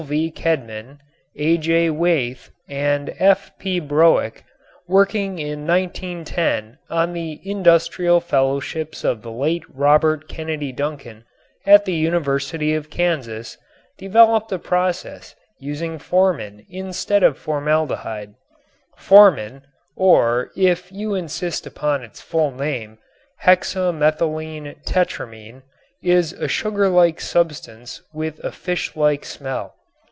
V. Kedman, A.J. Weith and F.P. Broek, working in 1910 on the Industrial Fellowships of the late Robert Kennedy Duncan at the University of Kansas, developed a process using formin instead of formaldehyde. Formin or, if you insist upon its full name, hexa methylene tetramine is a sugar like substance with a fish like smell.